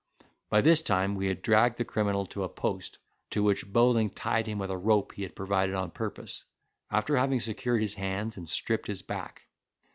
By this time we had dragged the criminal to a post, to which Bowling tied him with a rope he had provided on purpose; after having secured his hands and stripped his back.